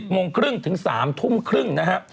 โมงครึ่งถึง๓ทุ่มครึ่งนะฮะ